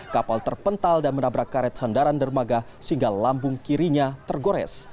kapal terpental dan menabrak karet sandaran dermaga sehingga lambung kirinya tergores